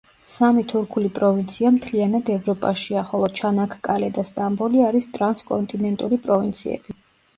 სამი თურქული პროვინცია მთლიანად ევროპაშია, ხოლო ჩანაქკალე და სტამბოლი არის ტრანსკონტინენტური პროვინციები.